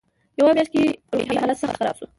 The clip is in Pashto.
په یوه میاشت کې یې روغتیایي حالت سخت خراب شو.